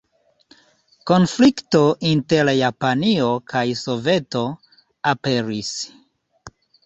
Konflikto inter Japanio kaj Soveto aperis.